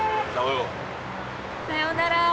さようなら！